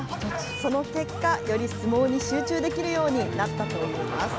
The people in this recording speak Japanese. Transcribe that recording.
その結果、より相撲に集中できるようになったと言います。